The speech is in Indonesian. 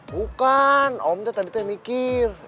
bukan om tadi tuh mikir